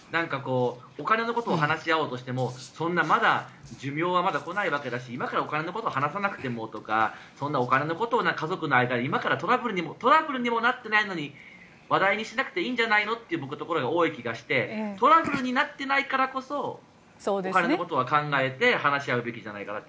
お金のことを話し合おうとしても寿命はまだ来ないわけだし今からお金のことを話さなくてもとかそんなお金のことを家族の間で今からトラブルにもなっていないのに話題にしなくていいんじゃないのってところが多い気がしてトラブルになっていないからこそお金のことは考えて話し合うべきじゃないかなって。